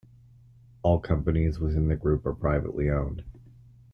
All companies within the group are privately owned.